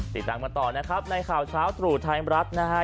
ติดตามกันต่อนะครับในข่าวเช้าตรู่ไทยรัฐนะฮะ